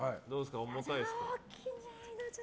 重たいですか？